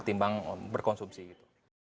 ketimbang berkonsumsi gitu